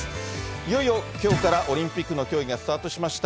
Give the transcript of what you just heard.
いよいよきょうからオリンピックの競技がスタートしました。